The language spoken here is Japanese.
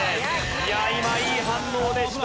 いや今いい反応でした。